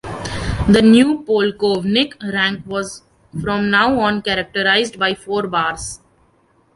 The new "polkovnik" rank was from now on characterized by four bars.